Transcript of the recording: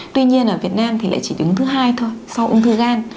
tuy nhiên ở việt nam thì lại chỉ đứng thứ hai thôi sau ung thư gan